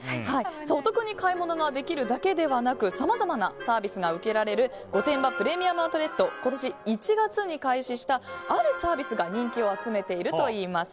お得に買い物ができるだけではなくさまざまなサービスが受けられる御殿場プレミアム・アウトレット今年１月に開始したあるサービスが人気を集めているといいます。